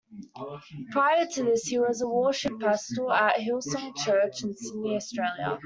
Prior to this he was a worship pastor at Hillsong Church in Sydney, Australia.